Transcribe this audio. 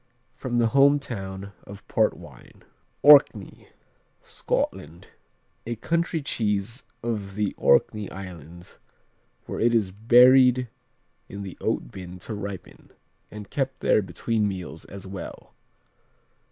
From the home town of port wine. Orkney Scotland A country cheese of the Orkney Islands where it is buried in the oat bin to ripen, and kept there between meals as well.